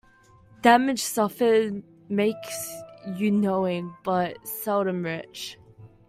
Damage suffered makes you knowing, but seldom rich.